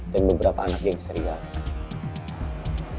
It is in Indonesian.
dan beberapa anak geng serigala